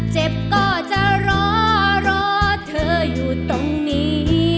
เจ็บก็จะรอรอเธออยู่ตรงนี้